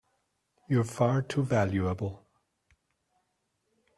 You're far too valuable!